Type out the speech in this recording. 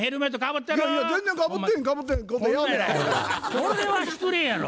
これは失礼やろ。